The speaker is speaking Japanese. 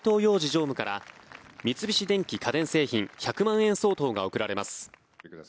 常務から三菱電機家電製品１００万円相当が贈られます。